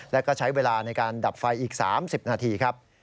แล้วก็ใช้เวลาในการดับไฟอีก๓๐นาทีครับ